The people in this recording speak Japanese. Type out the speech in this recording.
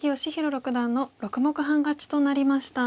六段の６目半勝ちとなりました。